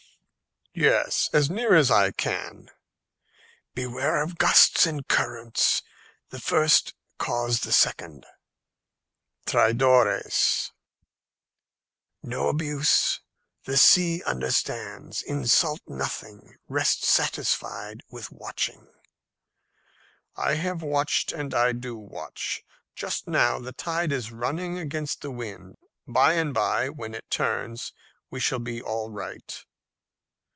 "Yes, as near as I can." "Beware of gusts and currents. The first cause the second." "Traidores." "No abuse. The sea understands. Insult nothing. Rest satisfied with watching." "I have watched, and I do watch. Just now the tide is running against the wind; by and by, when it turns, we shall be all right."